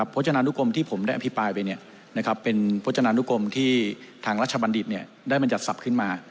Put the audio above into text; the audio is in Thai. โภชนานุกรมที่ผมได้อภิปรายไปเป็นโภชนานุกรมที่ทางรัชบัณฑิตได้มันจัดสรรพขึ้นมา